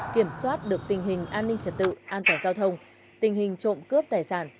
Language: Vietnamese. kiểm soát được tình hình an ninh trật tự an toàn giao thông tình hình trộm cướp tài sản